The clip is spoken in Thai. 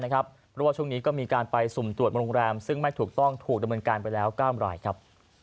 เพราะว่าช่วงนี้ก็มีการไปสุ่มตรวจโรงแรมซึ่งไม่ถูกต้องถูกดำเนินการไปแล้ว๙รายครับ